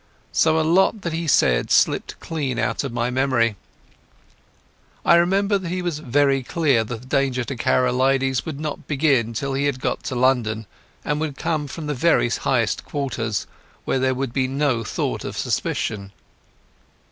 So a lot that he said slipped clean out of my memory. I remember that he was very clear that the danger to Karolides would not begin till he had got to London, and would come from the very highest quarters, where there would be no thought of suspicion.